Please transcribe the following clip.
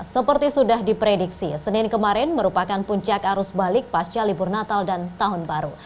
seperti sudah diprediksi senin kemarin merupakan puncak arus balik pasca libur natal dan tahun baru